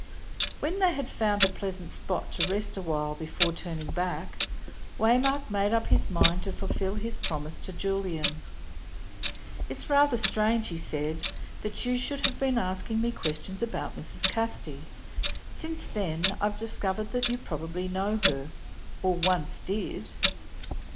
When they had found a pleasant spot to rest awhile before turning back, Waymark made up his mind to fulfil his promise to Julian. "It's rather strange," he said, "that you should have been asking me questions about Mrs. Casti. Since then I've discovered that you probably know her, or once did."